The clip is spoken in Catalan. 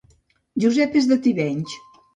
Josep és de Tivenys